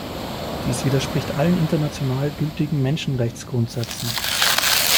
Dies widerspricht allen international gültigen Menschenrechtsgrundsätzen.